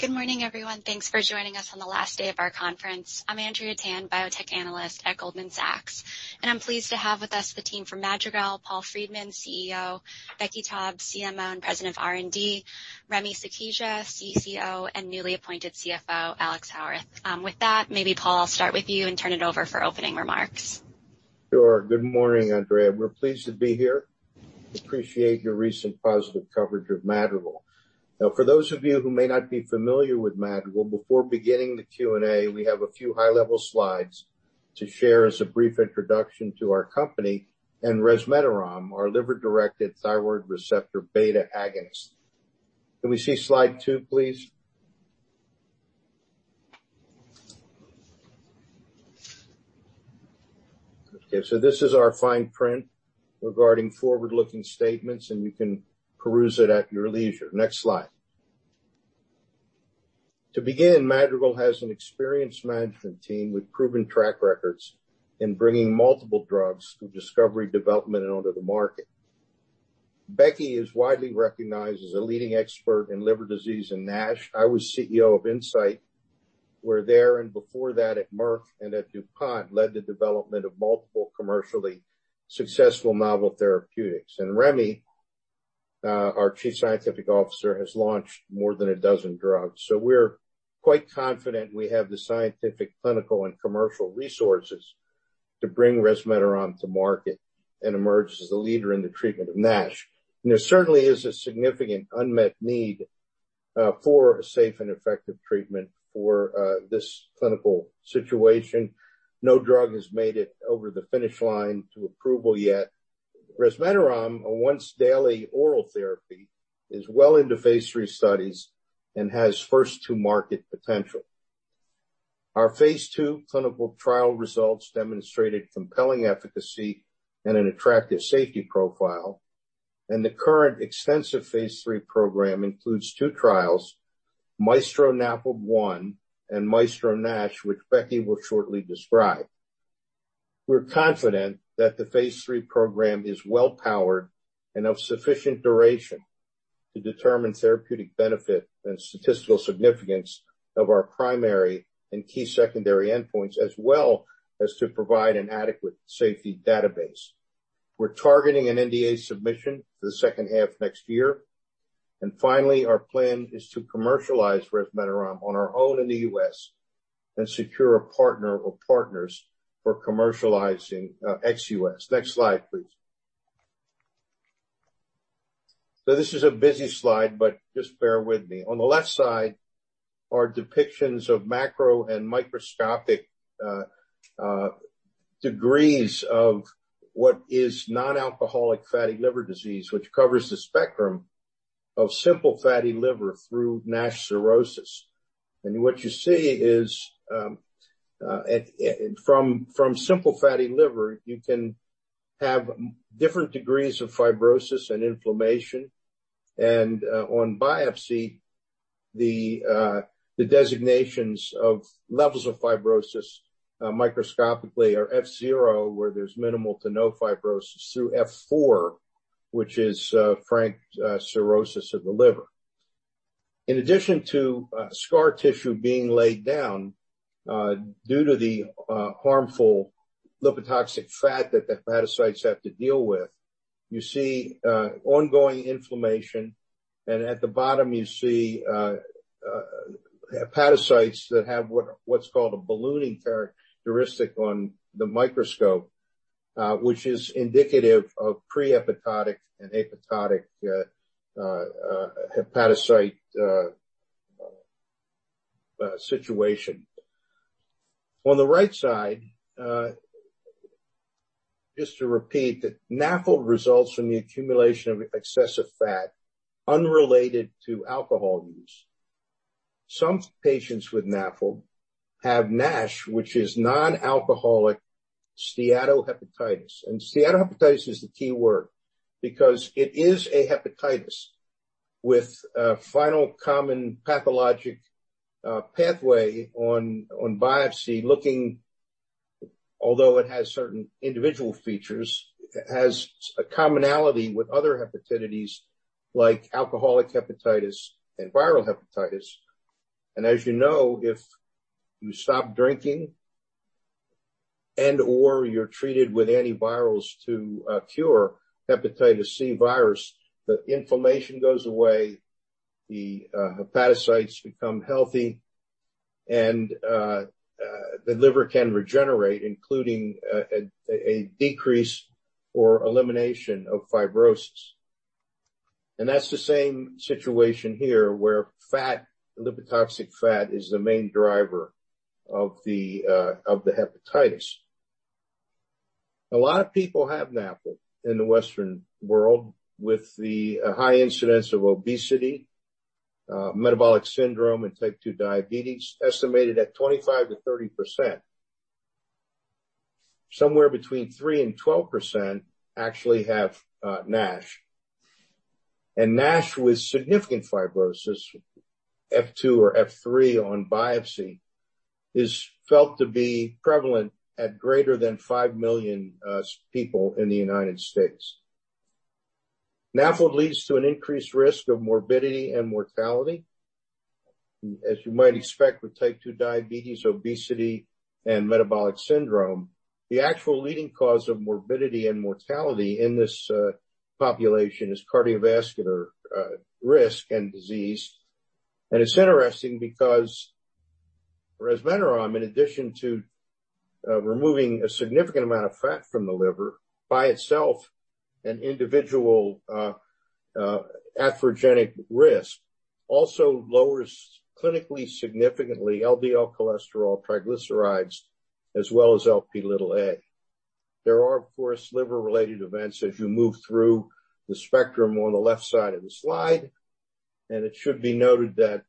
Good morning, everyone. Thanks for joining us on the last day of our conference. I'm Andrea Tan, biotech analyst at Goldman Sachs, and I'm pleased to have with us the team from Madrigal, Paul Friedman, CEO; Rebecca Taub, CMO and President of R&D; Carole Huntsman, CCO; and newly appointed CFO, Alex Howarth. With that, maybe Paul, I'll start with you and turn it over for opening remarks. Sure. Good morning, Andrea Tan. We're pleased to be here. Appreciate your recent positive coverage of Madrigal. For those of you who may not be familiar with Madrigal, before beginning the Q&A, we have a few high-level slides to share as a brief introduction to our company and resmetirom, our liver-directed thyroid receptor beta agonist. Can we see slide two, please? This is our fine print regarding forward-looking statements, and you can peruse it at your leisure. Next slide. To begin, Madrigal has an experienced management team with proven track records in bringing multiple drugs through discovery development and onto the market. Rebecca Taub is widely recognized as a leading expert in liver disease and NASH. I was CEO of Incyte, where there and before that at Merck and at DuPont, led the development of multiple commercially successful novel therapeutics. Remy, our Chief Scientific Officer, has launched more than a dozen drugs. We're quite confident we have the scientific, clinical, and commercial resources to bring resmetirom to market and emerge as a leader in the treatment of NASH. There certainly is a significant unmet need for a safe and effective treatment for this clinical situation. No drug has made it over the finish line to approval yet. resmetirom, a once-daily oral therapy, is well into phase III studies and has first-to-market potential. Our phase II clinical trial results demonstrated compelling efficacy and an attractive safety profile, and the current extensive phase III program includes two trials, MAESTRO-NAFLD-1 and MAESTRO-NASH, which Rebecca Taub will shortly describe. We're confident that the Phase III program is well powered and of sufficient duration to determine therapeutic benefit and statistical significance of our primary and key secondary endpoints, as well as to provide an adequate safety database. We're targeting an NDA submission for the second half of next year. Finally, our plan is to commercialize resmetirom on our own in the US and secure a partner or partners for commercializing ex-US. Next slide, please. This is a busy slide, but just bear with me. On the left side are depictions of macro and microscopic degrees of what is non-alcoholic fatty liver disease, which covers the spectrum of simple fatty liver through NASH cirrhosis. What you see is, from simple fatty liver, you can have different degrees of fibrosis and inflammation. On biopsy, the designations of levels of fibrosis microscopically are F0, where there's minimal to no fibrosis, through F4, which is frank cirrhosis of the liver. In addition to scar tissue being laid down due to the harmful lipotoxic fat that the hepatocytes have to deal with, you see ongoing inflammation, and at the bottom, you see hepatocytes that have what's called a ballooning characteristic on the microscope, which is indicative of pre-hepatic and hepatic hepatocyte situation. On the right side, just to repeat, the NAFLD results from the accumulation of excessive fat unrelated to alcohol use. Some patients with NAFLD have NASH, which is non-alcoholic steatohepatitis. Steatohepatitis is the key word because it is a hepatitis with a final common pathologic pathway on biopsy. Although it has certain individual features, it has a commonality with other hepatitides like alcoholic hepatitis and viral hepatitis. As you know, if you stop drinking and/or you're treated with antivirals to cure hepatitis C virus, the inflammation goes away, the hepatocytes become healthy, and the liver can regenerate, including a decrease or elimination of fibrosis. That's the same situation here, where lipotoxic fat is the main driver of the hepatitis. A lot of people have NAFLD in the Western world with the high incidence of obesity, metabolic syndrome, and type two diabetes estimated at 25%-30%. Somewhere between three percent and 12% actually have NASH. NASH with significant fibrosis, F2 or F3 on biopsy, is felt to be prevalent at greater than 5 million people in the United States. NAFLD leads to an increased risk of morbidity and mortality, as you might expect with type two diabetes, obesity, and metabolic syndrome. The actual leading cause of morbidity and mortality in this population is cardiovascular risk and disease. It's interesting because resmetirom, in addition to removing a significant amount of fat from the liver, by itself an individual atherogenic risk, also lowers clinically significantly LDL cholesterol, triglycerides, as well as Lp(a). There are, of course, liver-related events as you move through the spectrum on the left side of the slide, and it should be noted that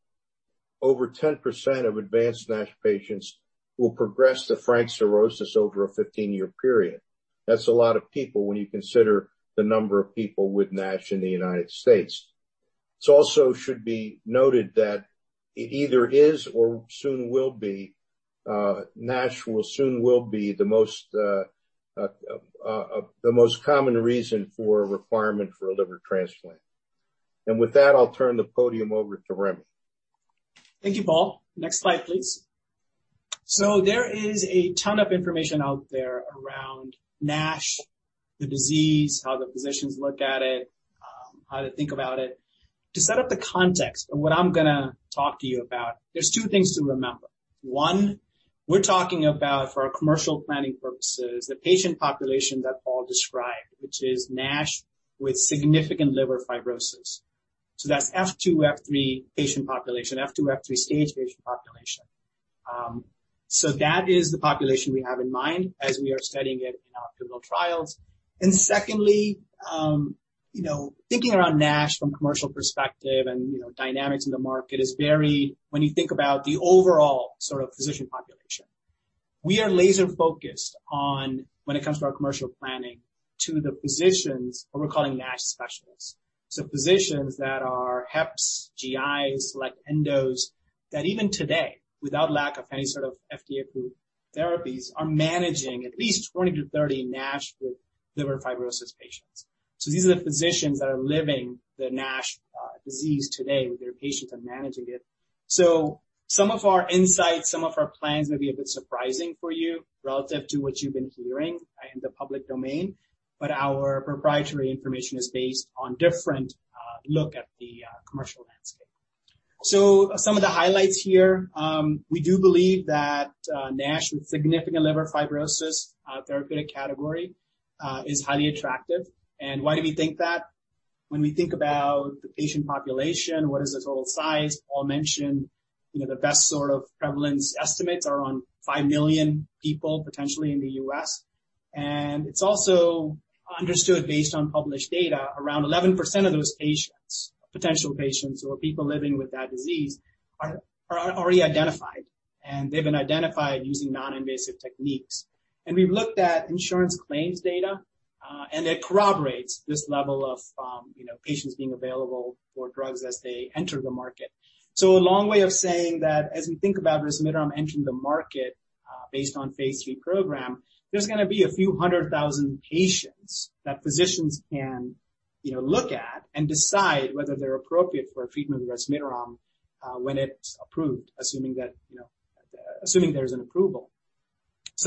over 10% of advanced NASH patients will progress to frank cirrhosis over a 15-year period. That's a lot of people when you consider the number of people with NASH in the United States. It also should be noted that it either is or NASH soon will be the most common reason for a requirement for a liver transplant. With that, I'll turn the podium over to Carole Huntsman. Thank you, Paul. Next slide, please. There is a ton of information out there around NASH, the disease, how the physicians look at it, how to think about it. To set up the context of what I'm going to talk to you about, there's two things to remember. one, we're talking about, for our commercial planning purposes, the patient population that Paul described, which is NASH with significant liver fibrosis. That's F2, F3 patient population, F2, F3 stage patient population. That is the population we have in mind as we are studying it in our clinical trials. Secondly, thinking about NASH from a commercial perspective and dynamics in the market is very, when you think about the overall sort of physician population. We are laser-focused on when it comes to our commercial planning to the physicians who we're calling NASH specialists. Physicians that are HEPs, GIs, like endos, that even today, without lack of any sort of FDA-approved therapies, are managing at least 20-30 NASH with liver fibrosis patients. These are physicians that are living the NASH disease today with their patients and managing it. Some of our insights, some of our plans may be a bit surprising for you relative to what you've been hearing in the public domain. Our proprietary information is based on different look at the commercial landscape. Some of the highlights here, we do believe that NASH with significant liver fibrosis therapeutic category is highly attractive. Why do we think that? When we think about the patient population, what is this whole size, Paul mentioned the best sort of prevalence estimates are on 5 million people potentially in the U.S. It's also understood based on published data, around 11% of those patients, potential patients or people living with that disease, are already identified, and they've been identified using non-invasive techniques. We've looked at insurance claims data, and it corroborates this level of patients being available for drugs as they enter the market. A long way of saying that as we think about resmetirom entering the market based on phase III program, there's going to be a few hundred thousand patients that physicians can look at and decide whether they're appropriate for treatment with resmetirom when it's approved, assuming there's an approval.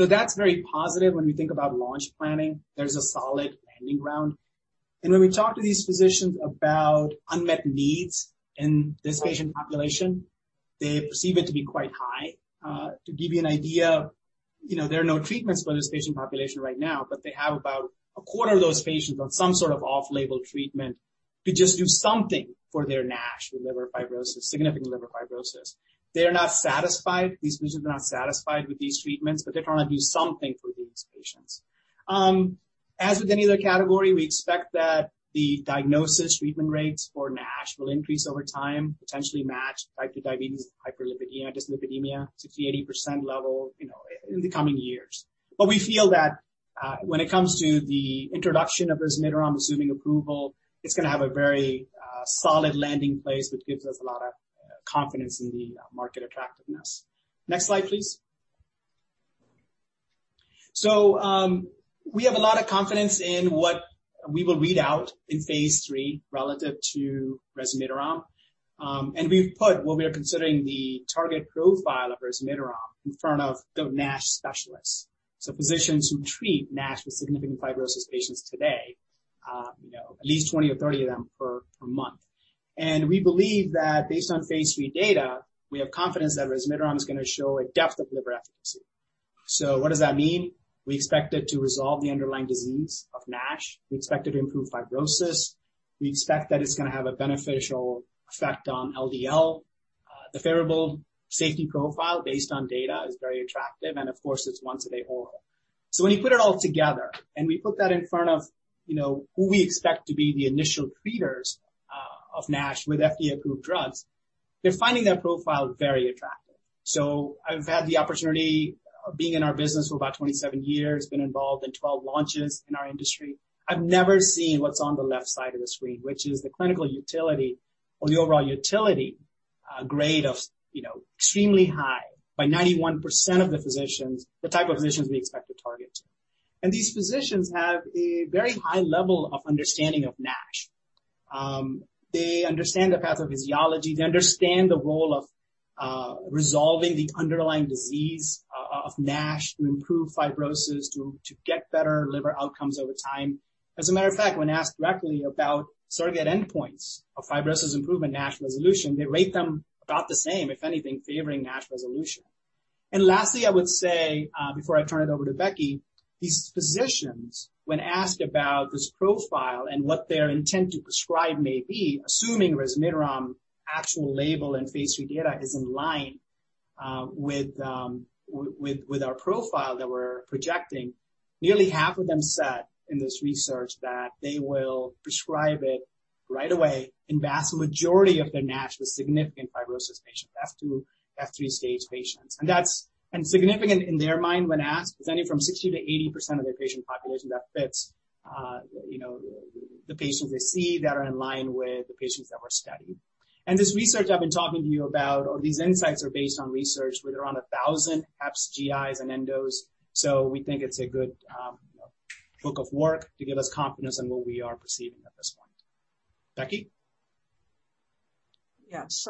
That's very positive when you think about launch planning. There's a solid landing ground. When we talk to these physicians about unmet needs in this patient population, they perceive it to be quite high. To give you an idea, there are no treatments for this patient population right now, they have about a quarter of those patients on some sort of off-label treatment to just do something for their NASH with liver fibrosis, significant liver fibrosis. They're not satisfied. These patients are not satisfied with these treatments, they're going to do something for these patients. As with any other category, we expect that the diagnosis treatment rates for NASH will increase over time, potentially match type 2 diabetes with hyperlipidemia, 60%-80% level in the coming years. We feel that when it comes to the introduction of resmetirom assuming approval, it's going to have a very solid landing place, which gives us a lot of confidence in the market attractiveness. Next slide, please. We have a lot of confidence in what we will read out in phase III relative to resmetirom. We've put what we are considering the target profile of resmetirom in front of the NASH specialists. Physicians who treat NASH with significant fibrosis patients today at least 20 or 30 of them per month. We believe that based on phase III data, we have confidence that resmetirom is going to show a depth of liver efficacy. What does that mean? We expect it to resolve the underlying disease of NASH. We expect it to improve fibrosis. We expect that it's going to have a beneficial effect on LDL. The favorable safety profile based on data is very attractive, and of course, it's once a day oral. When you put it all together and we put that in front of who we expect to be the initial treaters of NASH with FDA-approved drugs, they're finding that profile very attractive. I've had the opportunity of being in our business for about 27 years, been involved in 12 launches in our industry. I've never seen what's on the left side of the screen, which is the clinical utility or the overall utility, a grade of extremely high by 91% of the physicians, the type of physicians we expect to target. These physicians have a very high level of understanding of NASH. They understand the pathophysiology. They understand the role of resolving the underlying disease of NASH to improve fibrosis to get better liver outcomes over time. As a matter of fact, when asked directly about surrogate endpoints of fibrosis improvement, NASH resolution, they rate them about the same, if anything, favoring NASH resolution. Lastly, I would say, before I turn it over to Rebecca Taub, these physicians, when asked about this profile and what their intent to prescribe may be, assuming resmetirom actual label and phase III data is in line with our profile that we're projecting, nearly half of them said in this research that they will prescribe it right away in the vast majority of their NASH with significant fibrosis patients, F2, F3 stage patients. Significant in their mind when asked is only from 60% - 80% of their patient population that fits the patients they see that are in line with the patients that we're studying. This research I've been talking to you about, or these insights are based on research with around 1,000 GIs and endos. We think it's a good hook of work to give us confidence in what we are perceiving at this point. Becky? Thanks.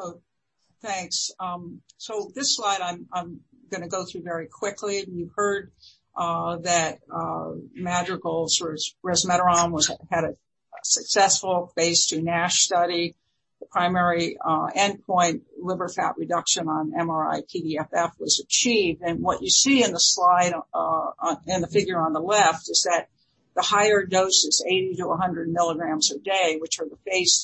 This slide I'm going to go through very quickly. You heard that Madrigal's resmetirom was successful phase II NASH study. The primary endpoint, liver fat reduction on MRI-PDFF, was achieved. What you see in the slide and the figure on the left is that the higher doses, 80-100 milligrams a day, which are the phase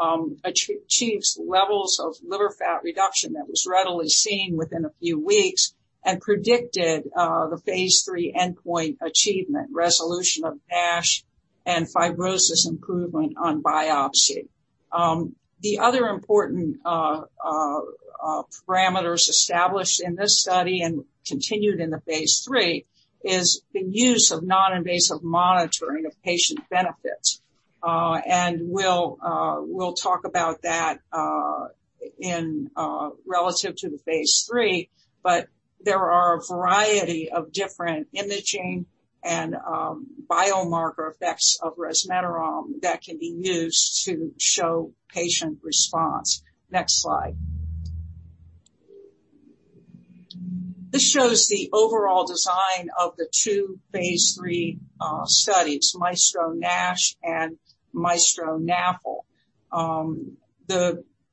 III doses, achieves levels of liver fat reduction that was readily seen within a few weeks and predicted the phase III endpoint achievement, resolution of NASH, and fibrosis improvement on biopsy. The other important parameters established in this study and continued in the phase III is the use of non-invasive monitoring of patient benefits. We'll talk about that relative to the phase III. There are a variety of different imaging and biomarker effects of resmetirom that can be used to show patient response. Next slide. This shows the overall design of the two phase III studies, MAESTRO-NASH and MAESTRO-NAFL.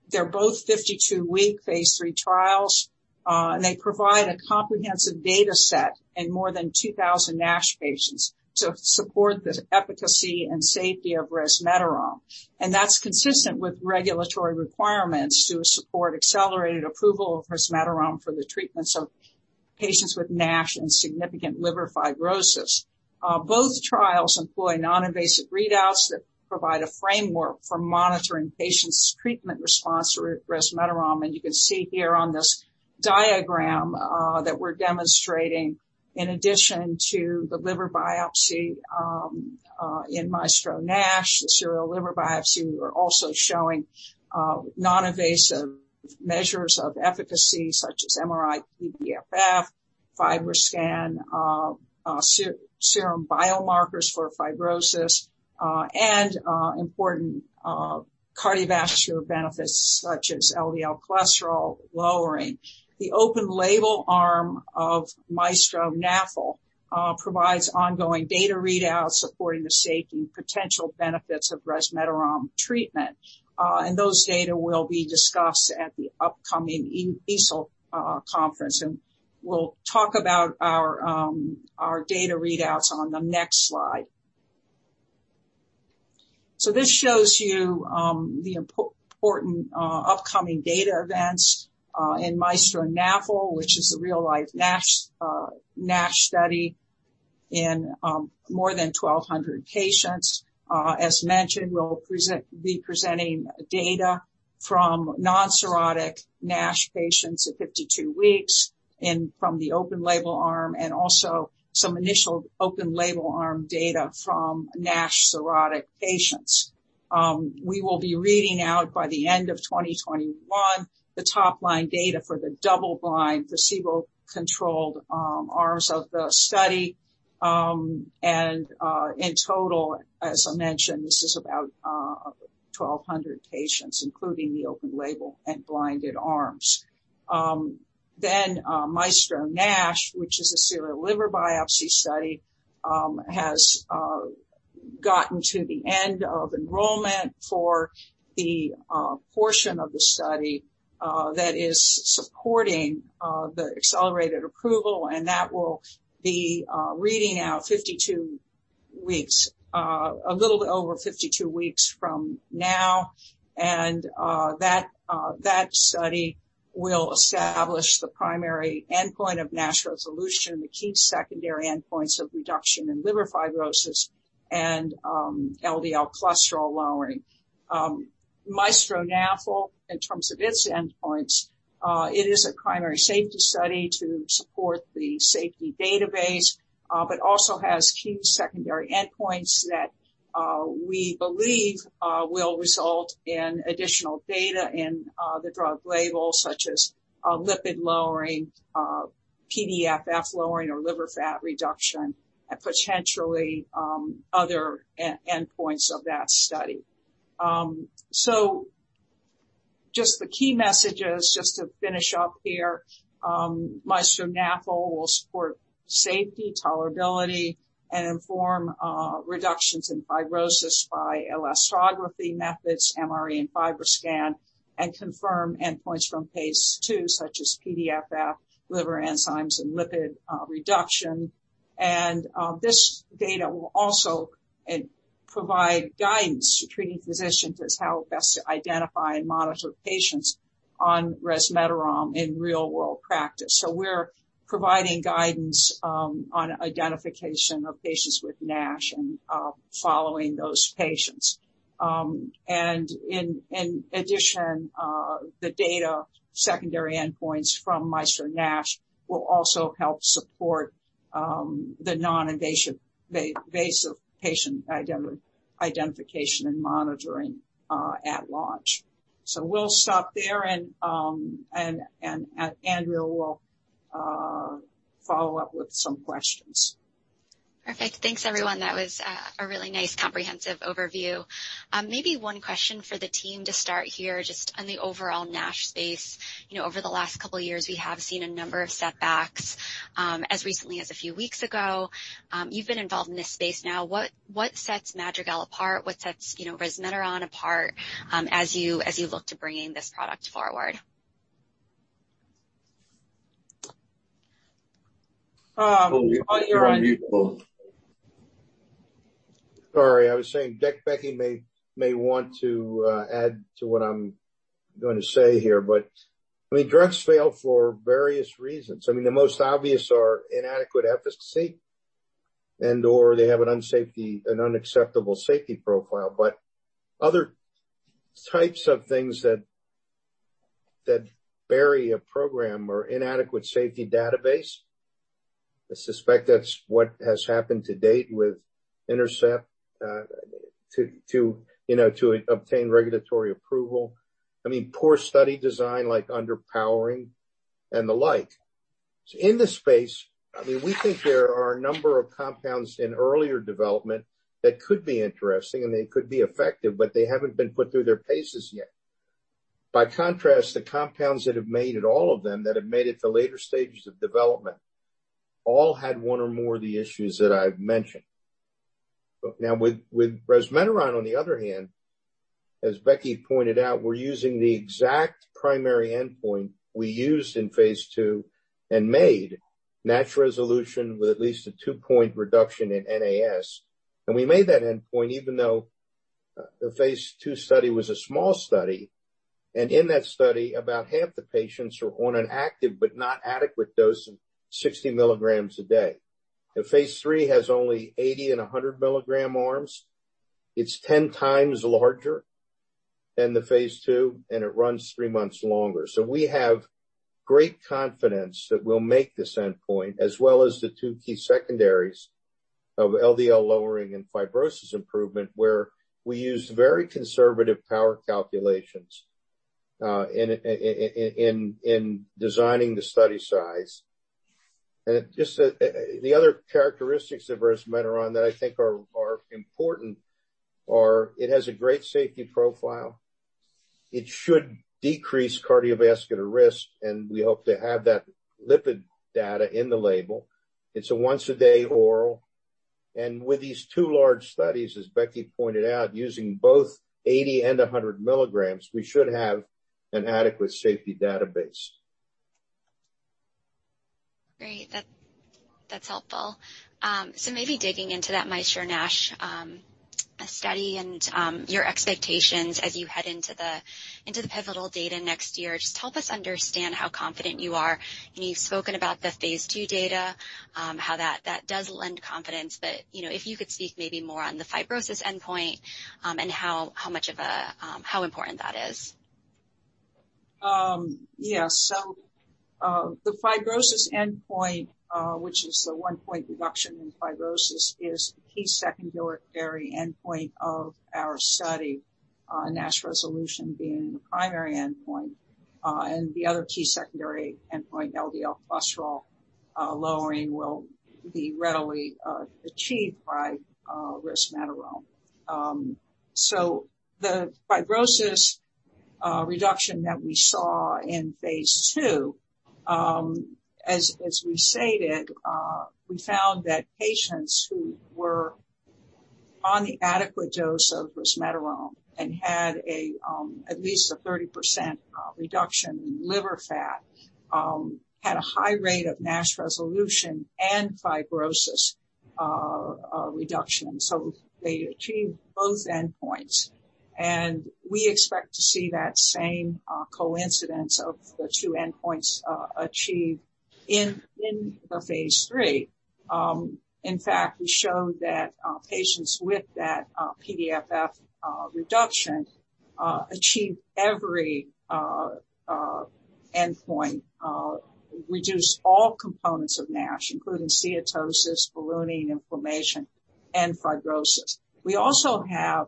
They're both 52-week phase III trials, they provide a comprehensive data set in more than 2,000 NASH patients to support the efficacy and safety of resmetirom. That's consistent with regulatory requirements to support accelerated approval of resmetirom for the treatments of patients with NASH and significant liver fibrosis. Both trials employ non-invasive readouts that provide a framework for monitoring patients' treatment response to resmetirom. You can see here on this diagram that we're demonstrating, in addition to the liver biopsy in MAESTRO-NASH, the serial liver biopsy, we are also showing non-invasive measures of efficacy such as MRI-PDFF, FibroScan, serum biomarkers for fibrosis, and important cardiovascular benefits such as LDL cholesterol lowering. The open label arm of MAESTRO-NAFL provides ongoing data readouts supporting the safety and potential benefits of resmetirom treatment. Those data will be discussed at the upcoming EASL conference, and we'll talk about our data readouts on the next slide. This shows you the important upcoming data events in MAESTRO-NAFL, which is a real-life NASH study in more than 1,200 patients. As mentioned, we'll be presenting data from non-cirrhotic NASH patients at 52 weeks and from the open label arm, and also some initial open label arm data from NASH cirrhotic patients. We will be reading out by the end of 2021 the top-line data for the double-blind, placebo-controlled arms of the study. In total, as I mentioned, this is about 1,200 patients, including the open label and blinded arms. MAESTRO-NASH, which is a serial liver biopsy study, has gotten to the end of enrollment for the portion of the study that is supporting the accelerated approval, and that will be reading out 52 weeks, a little over 52 weeks from now. That study will establish the primary endpoint of NASH resolution, the key secondary endpoints of reduction in liver fibrosis and LDL cholesterol lowering. MAESTRO-NAFLD-1, in terms of its endpoints, it is a primary safety study to support the safety database. Also has key secondary endpoints that we believe will result in additional data in the drug label, such as lipid lowering, PDFF lowering or liver fat reduction, and potentially other endpoints of that study. Just the key messages just to finish up here. MAESTRO-NASH will support safety, tolerability, and inform reductions in fibrosis by elastography methods, MRE and FibroScan, confirm endpoints from phase II, such as PDFF, liver enzymes, and lipid reduction. This data will also provide guidance to treating physicians as how best to identify and monitor patients on resmetirom in real-world practice. We're providing guidance on identification of patients with NASH and following those patients. In addition, the data secondary endpoints from MAESTRO-NASH will also help support the non-invasive patient identification and monitoring at launch. We'll stop there, and Andrea Tan will follow up with some questions. Perfect. Thanks, everyone. That was a really nice comprehensive overview. one question for the team to start here, just on the overall NASH space. Over the last two years, we have seen a number of setbacks, as recently as three weeks ago. You've been involved in this space now. What sets Madrigal apart? What sets resmetirom apart as you look to bringing this product forward? I'll start. Sorry, I was saying Rebecca may want to add to what I'm going to say here. Drugs fail for various reasons. I mean, the most obvious are inadequate efficacy and/or they have an unacceptable safety profile. Other types of things that bury a program are inadequate safety database. I suspect that's what has happened to date with Intercept to obtain regulatory approval. I mean, poor study design like underpowering and the like. In the space, I mean, we think there are a number of compounds in earlier development that could be interesting, and they could be effective, but they haven't been put through their paces yet. By contrast, the compounds that have made it, all of them, that have made it to later stages of development all had one or more of the issues that I've mentioned. With resmetirom, on the other hand, as Rebecca Taub pointed out, we're using the exact primary endpoint we used in phase II and made NASH resolution with at least a two point reduction in NAS. We made that endpoint even though the phase II study was a small study, and in that study, about half the patients were on an active but not adequate dose of 60 milligrams a day. The phase III has only 80 and 100-milligram arms. It's 10 times larger than the phase II, and it runs three months longer. We have great confidence that we'll make this endpoint, as well as the two key secondaries of LDL lowering and fibrosis improvement, where we use very conservative power calculations in designing the study size. Just the other characteristics of resmetirom that I think are important are it has a great safety profile. It should decrease cardiovascular risk. We hope to have that lipid data in the label. It's a once-a-day oral. With these two large studies, as Rebecca pointed out, using both eighty and 100 milligrams, we should have an adequate safety database. Great. That's helpful. Maybe digging into that MAESTRO-NASH study and your expectations as you head into the pivotal data next year. Just help us understand how confident you are. You've spoken about the phase II data, how that does lend confidence that, if you could speak maybe more on the fibrosis endpoint, and how important that is. Yeah. The fibrosis endpoint, which is the one-point reduction in fibrosis, is the key secondary endpoint of our study, NASH resolution being the primary endpoint. The other key secondary endpoint, LDL cholesterol lowering, will be readily achieved by resmetirom. The fibrosis reduction that we saw in phase II, as we stated, we found that patients who were on the adequate dose of resmetirom and had at least a 30% reduction in liver fat had a high rate of NASH resolution and fibrosis reduction. They achieved both endpoints, and we expect to see that same coincidence of the two endpoints achieved in the phase III. In fact, we showed that patients with that PDFF reduction achieve every endpoint, reduce all components of NASH, including steatosis, ballooning inflammation, and fibrosis. We also have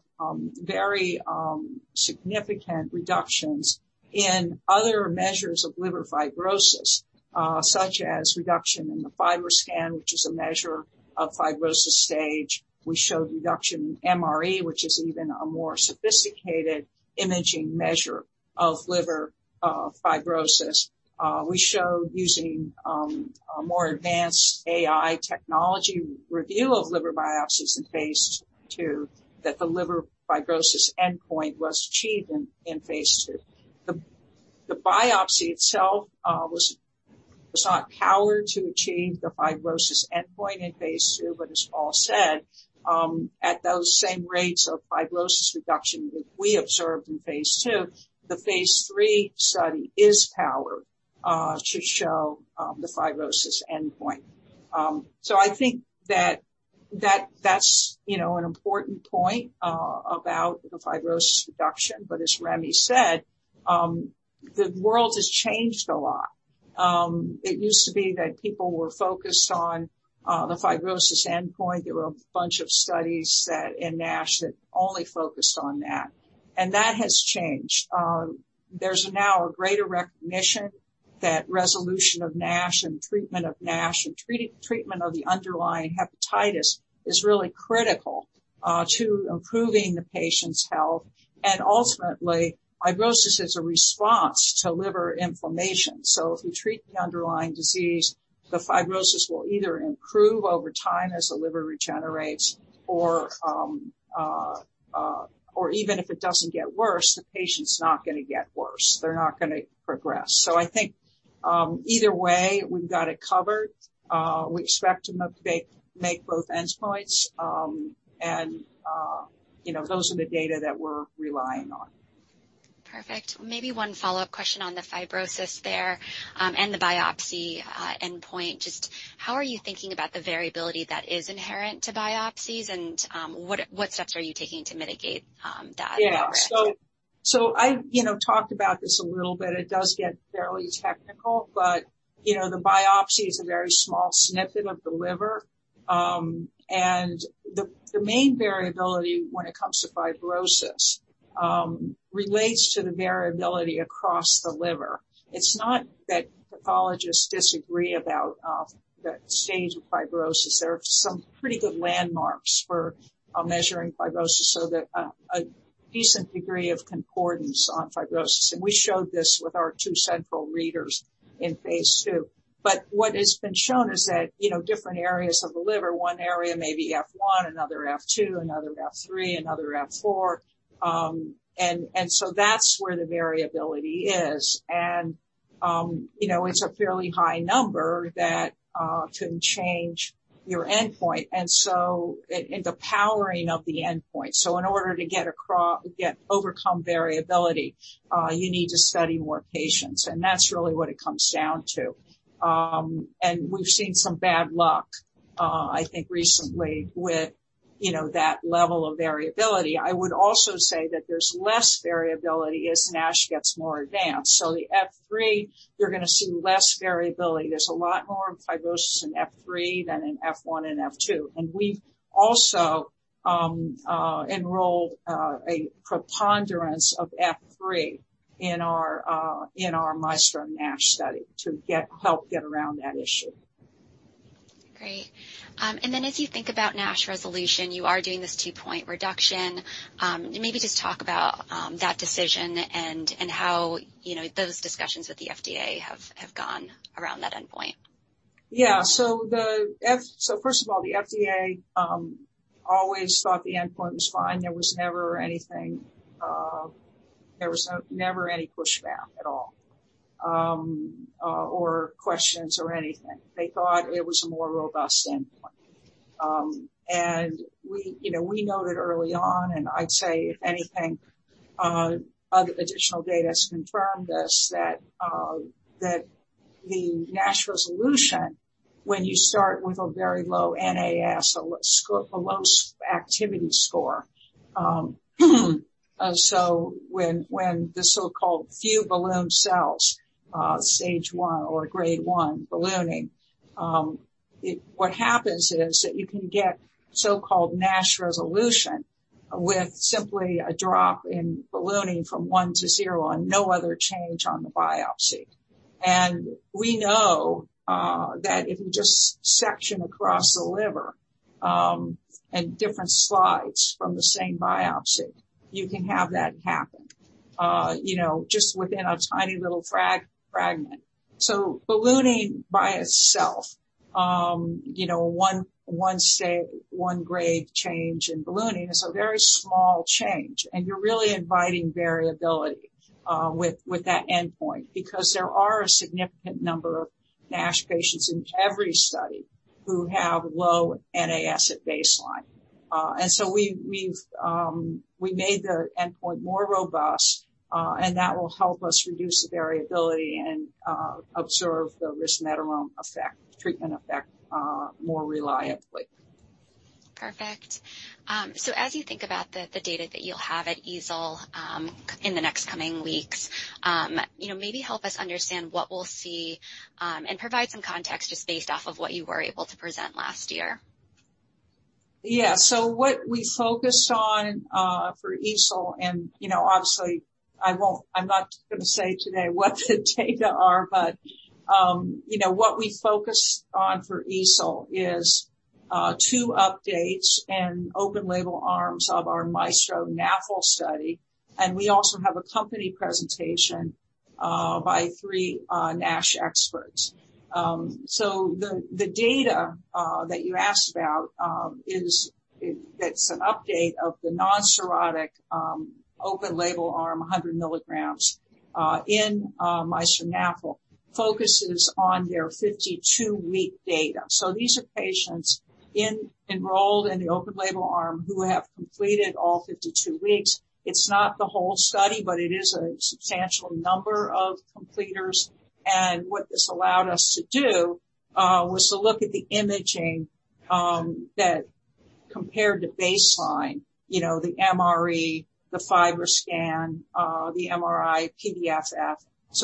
very significant reductions in other measures of liver fibrosis, such as reduction in the FibroScan, which is a measure of fibrosis stage. We show reduction in MRE, which is even a more sophisticated imaging measure of liver fibrosis. We show using a more advanced AI technology review of liver biopsies in phase II that the liver fibrosis endpoint was achieved in phase II. The biopsy itself was not powered to achieve the fibrosis endpoint in phase II. As Paul Friedman said, at those same rates of fibrosis reduction that we observed in phase II, the phase III study is powered to show the fibrosis endpoint. I think that's an important point about the fibrosis reduction. As Carole Huntsman said, the world has changed a lot. It used to be that people were focused on the fibrosis endpoint. There were a bunch of studies set in NASH that only focused on that. That has changed. There's now a greater recognition that resolution of NASH and treatment of NASH, and treatment of the underlying hepatitis is really critical to improving the patient's health, and ultimately, fibrosis is a response to liver inflammation. If we treat the underlying disease, the fibrosis will either improve over time as the liver regenerates, or even if it doesn't get worse, the patient's not going to get worse. They're not going to progress. I think, either way, we've got it covered. We expect them to make both endpoints, and those are the data that we're relying on. Perfect. Maybe one follow-up question on the fibrosis there, and the biopsy endpoint. Just how are you thinking about the variability that is inherent to biopsies and what steps are you taking to mitigate that variability? I talked about this a little bit. It does get fairly technical, but the biopsy is a very small snippet of the liver. The main variability when it comes to fibrosis relates to the variability across the liver. It's not that pathologists disagree about that stage of fibrosis. There are some pretty good landmarks for measuring fibrosis, so there is a decent degree of concordance on fibrosis. We showed this with our two central readers in phase II. What has been shown is that different areas of the liver, one area may be F1, another F2, another F3, another F4, and so that's where the variability is. It's a fairly high number that can change your endpoint, and the powering of the endpoint. In order to overcome variability, you need to study more patients, and that's really what it comes down to. We've seen some bad luck, I think recently with that level of variability. I would also say that there's less variability as NASH gets more advanced. The F3, you're going to see less variability. There's a lot more fibrosis in F3 than in F1 and F2. We've also enrolled a preponderance of F3 in our MAESTRO-NASH study to help get around that issue. Great. As you think about NASH resolution, you are doing this two-point reduction. Maybe just talk about that decision and how those discussions with the FDA have gone around that endpoint. First of all, the FDA always thought the endpoint was fine. There was never any pushback at all, or questions or anything. They thought it was a more robust endpoint. We noted early on, and I'd say if anything, additional data has confirmed this, that the NASH resolution, when you start with a very low NAS, so a low activity score. When the so-called few balloon cells, stage one or grade one ballooning, what happens is that you can get so-called NASH resolution with simply a drop in ballooning from 1 - 0 and no other change on the biopsy. We know that if you just section across the liver, in different slides from the same biopsy, you can have that happen, just within a tiny little fragment. Ballooning by itself, one grade change in ballooning is a very small change. You're really inviting variability with that endpoint because there are a significant number of NASH patients in every study who have low NAS at baseline. We made the endpoint more robust. That will help us reduce the variability and observe the resmetirom treatment effect more reliably. Perfect. As you think about the data that you'll have at EASL in the next coming weeks, maybe help us understand what we'll see and provide some context just based off of what you were able to present last year. Yeah. What we focused on for EASL, and obviously I'm not going to say today what the data are, but what we focused on for EASL is two updates and open label arms of our MAESTRO-NAFL study. We also have a company presentation by three NASH experts. The data that you asked about, it's an update of the non-cirrhotic open label arm, 100 milligrams in MAESTRO-NAFL, focuses on their 52-week data. These are patients enrolled in the open label arm who have completed all 52 weeks. It's not the whole study, it is a substantial number of completers. What this allowed us to do was to look at the imaging that compared to baseline, the MRE, the FibroScan, the MRI-PDFF.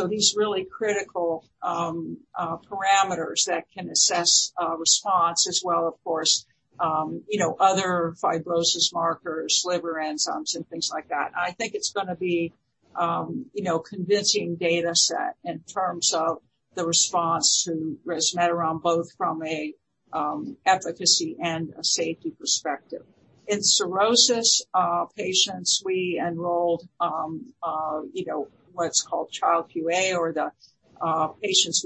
These really critical parameters that can assess response as well, of course, other fibrosis markers, liver enzymes, and things like that. I think it's going to be a convincing data set in terms of the response to resmetirom, both from an efficacy and a safety perspective. In cirrhosis patients, we enrolled what's called Child-Pugh or the patients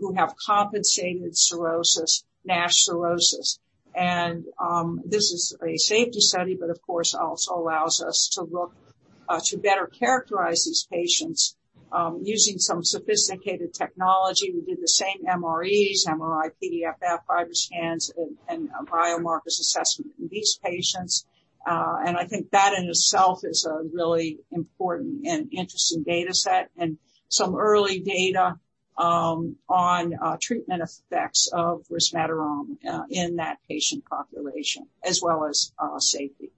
who have compensated cirrhosis, NASH cirrhosis. This is a safety study, but of course, also allows us to better characterize these patients using some sophisticated technology. We do the same MREs, MRI-PDFF, FibroScans, and biomarkers assessment in these patients. I think that in itself is a really important and interesting data set and some early data on treatment effects of resmetirom in that patient population, as well as safety.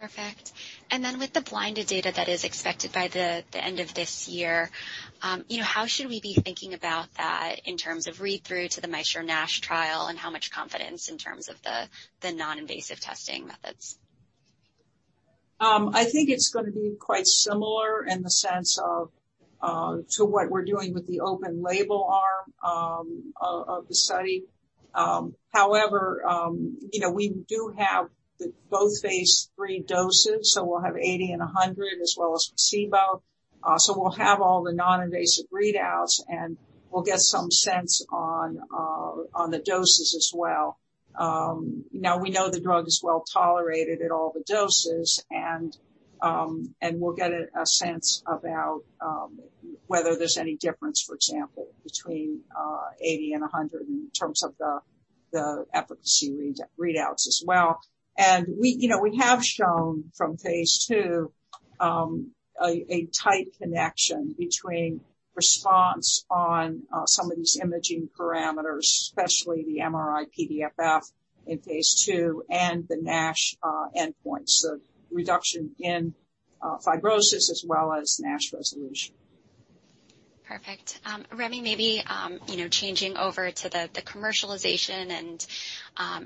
Perfect. Then with the blinded data that is expected by the end of this year, how should we be thinking about that in terms of read-through to the MAESTRO-NASH trial and how much confidence in terms of the non-invasive testing methods? I think it's going to be quite similar in the sense of to what we're doing with the open label arm of the study. However, we do have both phase III doses, so we'll have 80 and 100 as well as placebo. We'll have all the non-invasive readouts, and we'll get some sense on the doses as well. Now we know the drug is well-tolerated at all the doses, and we'll get a sense about whether there's any difference, for example, between 80 and 100 in terms of the efficacy readouts as well. We have shown from phase II a tight connection between response on some of these imaging parameters, especially the MRI-PDFF in phase II and the NASH endpoints, so reduction in fibrosis as well as NASH resolution. Perfect. Carole Huntsman, maybe changing over to the commercialization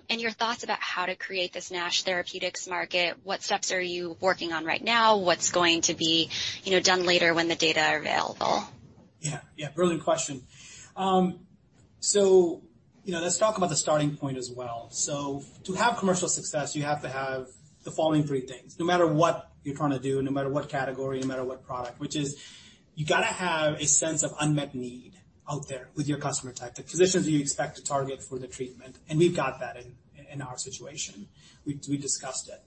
and your thoughts about how to create this NASH therapeutics market. What steps are you working on right now? What's going to be done later when the data are available? Yeah. Brilliant question. Let's talk about the starting point as well. To have commercial success, you have to have the following three things, no matter what you're trying to do, no matter what category, no matter what product, which is you got to have a sense of unmet need out there with your customer type, the physicians you expect to target for the treatment. We've got that in our situation. We discussed it.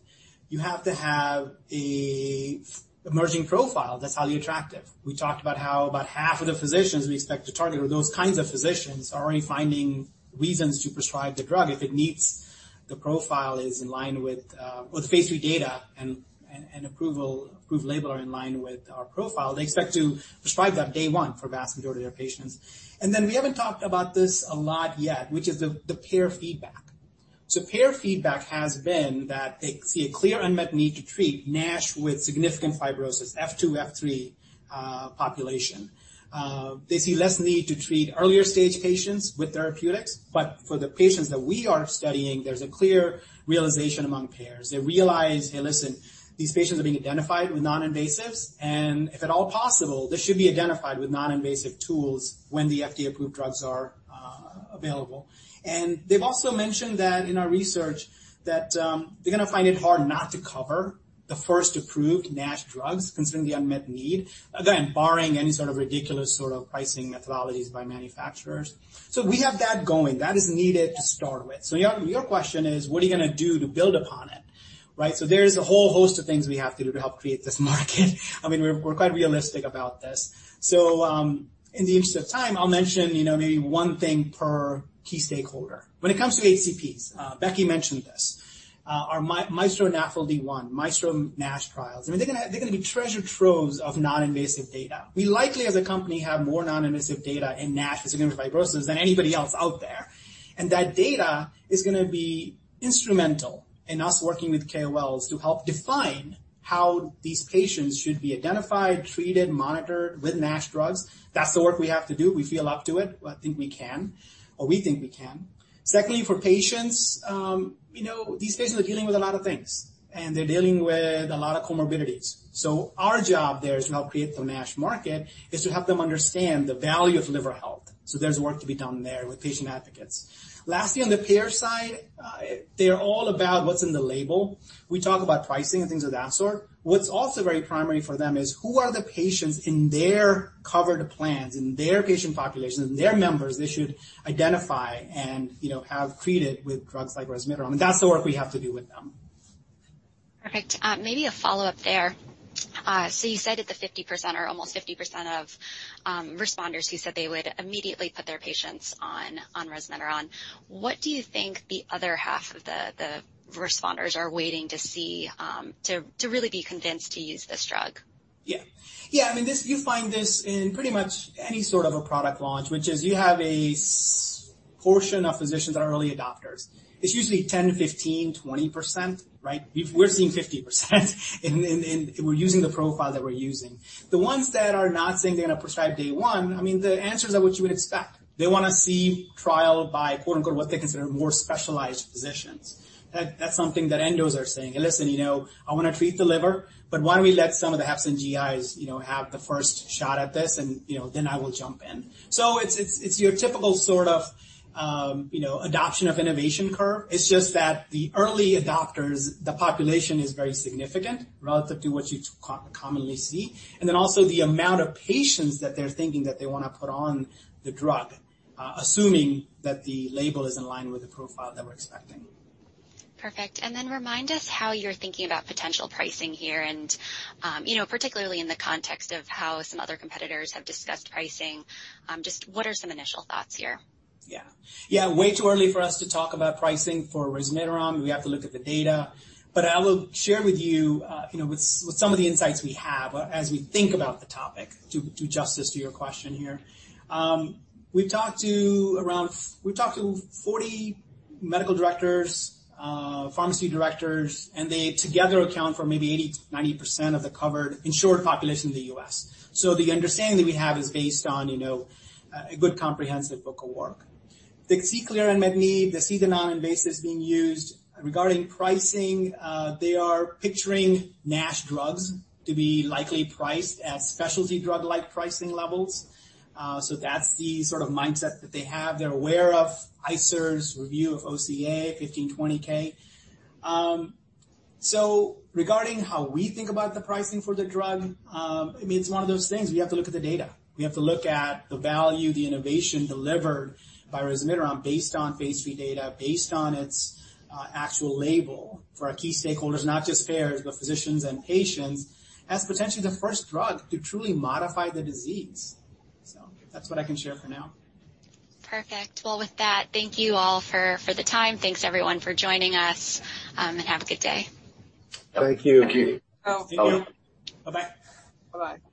You have to have an emerging profile that's highly attractive. We talked about how about half of the physicians we expect to target or those kinds of physicians are already finding reasons to prescribe the drug. If it meets the profile is in line with phase II data and approval, approved label are in line with our profile, they expect to prescribe that day one for the vast majority of their patients. We haven't talked about this a lot yet, which is the payer feedback. Payer feedback has been that they see a clear unmet need to treat NASH with significant fibrosis, F2, F3 population. They see less need to treat earlier-stage patients with therapeutics. For the patients that we are studying, there's a clear realization among payers. They realize, hey, listen, these patients are being identified with non-invasives, and if at all possible, they should be identified with non-invasive tools when the FDA-approved drugs are available. They've also mentioned that in our research that they're going to find it hard not to cover the first approved NASH drugs considering the unmet need. Again, barring any sort of ridiculous sort of pricing methodologies by manufacturers. We have that going. That is needed to start with. Your question is, what are you going to do to build upon it, right? There's a whole host of things we have to do to help create this market. We're quite realistic about this. In the interest of time, I'll mention maybe one thing per key stakeholder. When it comes to HCPs, Rebecca mentioned this. Our MAESTRO-NAFLD-1, MAESTRO-NASH trials. They're going to be treasure troves of non-invasive data. We likely, as a company, have more non-invasive data in NASH, hepatic fibrosis, than anybody else out there. That data is going to be instrumental in us working with KOLs to help define how these patients should be identified, treated, monitored with NASH drugs. That's the work we have to do. We feel up to it. I think we can, or we think we can. Secondly, for patients, these patients are dealing with a lot of things, and they're dealing with a lot of comorbidities. Our job there, as you help create the NASH market, is to help them understand the value of liver health. Lastly, on the payer side, they're all about what's in the label. We talk about pricing and things of that sort. What's also very primary for them is who are the patients in their covered plans, in their patient population, their members, they should identify and have treated with drugs like resmetirom. That's the work we have to do with them. All right. Maybe a follow-up there. You said that the 50% or almost 50% of responders who said they would immediately put their patients on resmetirom. What do you think the other half of the responders are waiting to see to really be convinced to use this drug? You find this in pretty much any sort of a product launch, which is you have a portion of physicians that are early adopters. It's usually 10%-15%, 20%, right? We're seeing 50% and we're using the profile that we're using. The ones that are not saying they're going to prescribe day one, the answer is what you would expect. They want to see trial by quote, unquote, "because they're more specialized physicians." That's something that endos are saying. "Listen, I want to treat the liver, but why don't we let some of the HEPs and GIs have the first shot at this and then I will jump in." It's your typical sort of adoption of innovation curve. It's just that the early adopters, the population is very significant relative to what you'd commonly see, and then also the amount of patients that they're thinking that they want to put on the drug, assuming that the label is in line with the profile that we're expecting. Perfect. Remind us how you're thinking about potential pricing here and, particularly in the context of how some other competitors have discussed pricing. Just what are some initial thoughts here? Yeah. Way too early for us to talk about pricing for resmetirom. I will share with you what some of the insights we have as we think about the topic, to do justice to your question here. We talked to 40 medical directors, pharmacy directors, and they together account for maybe 80%-90% of the covered insured population in the U.S. The understanding we have is based on a good comprehensive book of work. They see clear and they need, they see the non-invasive being used. Regarding pricing, they are picturing NASH drugs to be likely priced at specialty drug-like pricing levels. That's the sort of mindset that they have. They're aware of ICER's review of OCA, $15K-$20K. Regarding how we think about the pricing for the drug, it's one of those things, we have to look at the data. We have to look at the value, the innovation delivered by resmetirom based on phase III data, based on its actual label for our key stakeholders, not just payers, but physicians and patients, as potentially the first drug to truly modify the disease. That's what I can share for now. Perfect. Well, with that, thank you all for the time. Thanks, everyone for joining us, and have a good day. Thank you. Thank you. Bye-bye. Bye-bye.